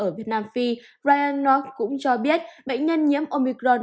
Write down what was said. ở việt nam phi ryan nock cũng cho biết bệnh nhân nhiễm omicron